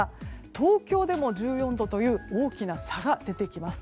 東京でも１４度という大きな差が出てきます。